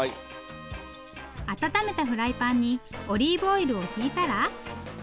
温めたフライパンにオリーブオイルを引いたら。